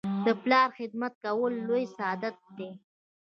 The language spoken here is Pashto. د پلار خدمت کول لوی سعادت دی.